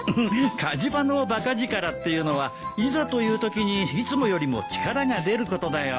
火事場のばか力っていうのはいざというときにいつもよりも力が出ることだよ。